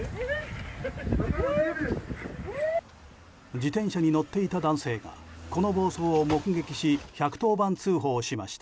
自転車に乗っていた男性がこの暴走を目撃し１１０番通報しました。